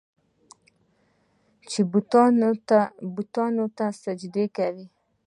چې بوتانو ته سجدې کوي.